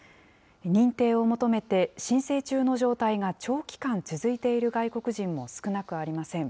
認定を求めて、申請中の状態が長期間続いている外国人も少なくありません。